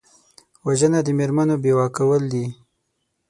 وژنه د مېرمنو بیوه کول دي